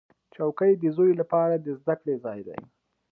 چوکۍ د زوی لپاره د زده کړې ځای دی.